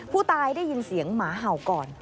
ได้ยินเสียงหมาเห่าก่อน